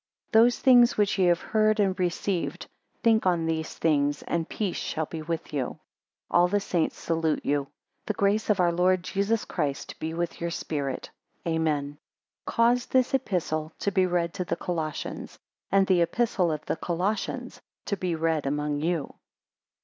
16 Those things which ye have heard, and received, think on these things, and peace shall be with you. 17 All the saints salute you. 18 The grace of our Lord Jesus Christ be with your spirit. Amen. 19 Cause this Epistle to be read to the Colossians, and the Epistle of the Colossians to be read among you.